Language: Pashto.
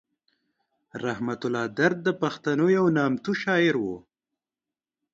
رحمت الله درد د پښتنو یو نامتو شاعر و.